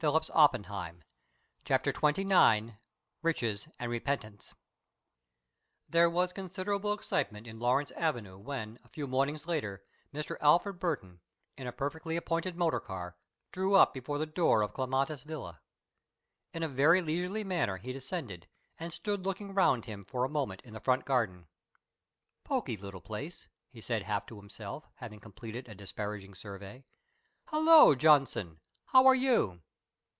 "Leicester Square, cabby!" CHAPTER XXIX RICHES AND REPENTANCE There was considerable excitement in Laurence Avenue when a few mornings later Mr. Alfred Burton, in a perfectly appointed motor car, drew up before the door of Clematis Villa. In a very leisurely manner he descended and stood looking around him for a moment in the front garden. "Poky little place," he said half to himself, having completed a disparaging survey. "Hullo, Johnson! How are you?"